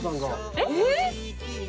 えっ！